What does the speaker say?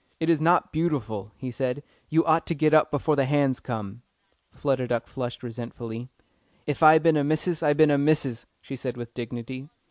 "It is not beautiful," he said. "You ought to get up before the 'hands' come." Flutter Duck flushed resentfully. "If I bin a missis, I bin a missis," she said with dignity.